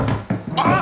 あっ。